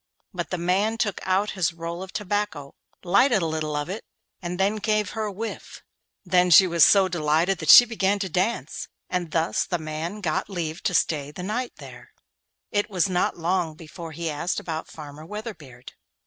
But the man took out his roll of tobacco, lighted a little of it, and then gave her a whiff. Then she was so delighted that she began to dance, and thus the man got leave to stay the night there. It was not long before he asked about Farmer Weatherbeard.